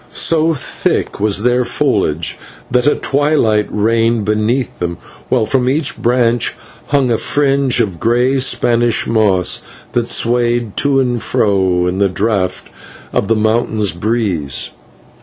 So thick was their foliage that a twilight reigned beneath them, while from each branch hung a fringe of grey Spanish moss that swayed to and fro in the draught of the mountain breeze.